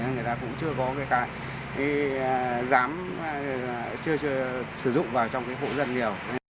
người ta cũng chưa có cái cái dám sử dụng vào trong cái hộ dân nhiều